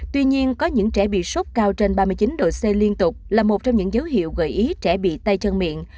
tuy nhiên có những trẻ bị sốt cao trên ba mươi chín độ c liên tục là một trong những dấu hiệu gợi ý trẻ bị tay chân miệng